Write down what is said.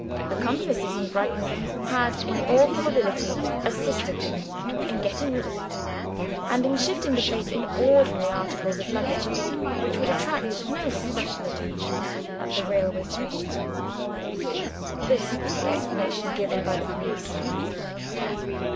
Accomplices in Brighton had, in all probability, assisted them in getting rid of it, and in shifting the plates into ordinary articles of luggage, which would attract no special attention at the railway station. This was the explanation given by the police.